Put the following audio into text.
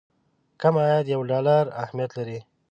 کم عاید یو ډالر اهميت لري.